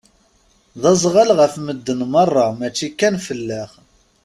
D azɣal ɣef madden meṛṛa mačči kan fell-aneɣ.